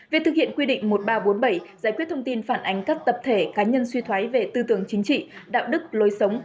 về thực hiện quy định một nghìn ba trăm bốn mươi bảy giải quyết thông tin phản ánh các tập thể cá nhân suy thoái về tư tưởng chính trị đạo đức lối sống